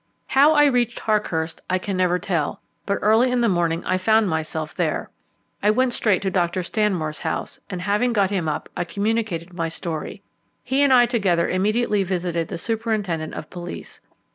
How I reached Harkhurst I can never tell, but early in the morning I found myself there. I went straight to Dr. Stanmore's house, and having got him up, I communicated my story. He and I together immediately visited the superintendent of police.